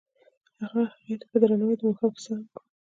هغه هغې ته په درناوي د ماښام کیسه هم وکړه.